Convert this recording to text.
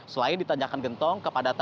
selain di tanjakan gentong kepadatan